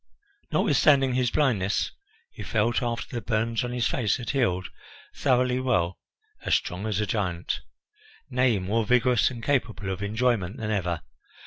Notwithstanding his blindness, he felt, after the burns on his face had healed, thoroughly well, as strong as a giant nay, more vigorous and capable of enjoyment than ever.